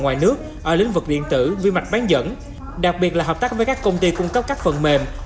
ở nước ở lĩnh vực điện tử vi mạch bán dẫn đặc biệt là hợp tác với các công ty cung cấp các phần mềm